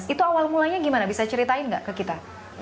dua ribu enam belas itu awal mulanya gimana bisa ceritain nggak ke kita